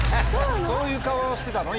そういう顔してたの？